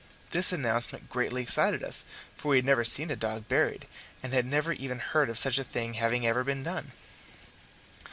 This announcement greatly excited us, for we had never seen a dog buried, and had never even heard of such a thing having ever been done.